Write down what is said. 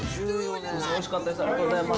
おいしかったです。